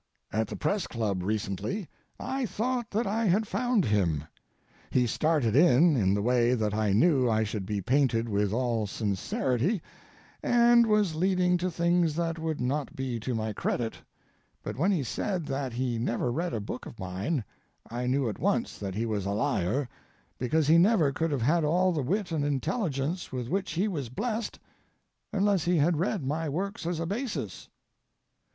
At the Press Club recently I thought that I had found him. He started in in the way that I knew I should be painted with all sincerity, and was leading to things that would not be to my credit; but when he said that he never read a book of mine I knew at once that he was a liar, because he never could have had all the wit and intelligence with which he was blessed unless he had read my works as a basis.